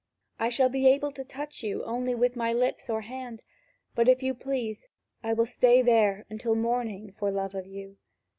I shall be able to touch you only with my lips or hand, but, if you please, I will stay there until morning for love of you.